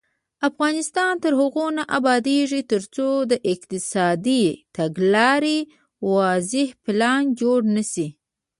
افغانستان تر هغو نه ابادیږي، ترڅو د اقتصادي تګلارې واضح پلان جوړ نشي.